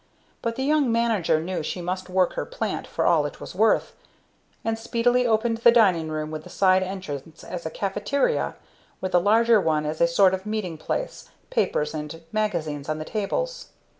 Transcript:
But the young manager knew she must work her plant for all it was worth, and speedily opened the dining room with the side entrance as a "Caffeteria," with the larger one as a sort of meeting place; papers and magazines on the tables.